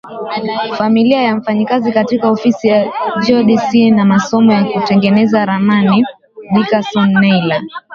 familia ya mfanyakazi katika Ofisi ya Geodesy na masomo ya kutengeneza ramani Dickerson Naylor